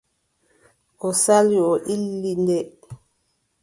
O sali, o illi nde.